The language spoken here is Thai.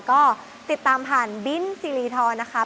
ก็ติดตามผ่านบิ๊นสีดีทอเลียนะคะ